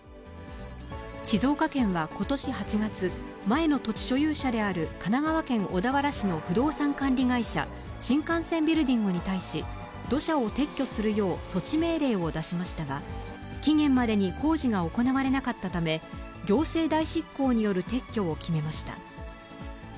静岡県はことし８月、前の土地所有者である神奈川県小田原市の不動産管理会社、新幹線ビルディングに対し、土砂を撤去するよう措置命令を出しましたが、期限までに工事が行われなかったため、行政代執行による撤去を決めました。